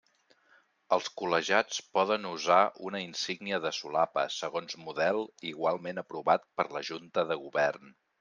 Els col·legiats poden usar una insígnia de solapa, segons model igualment aprovat per la Junta de Govern.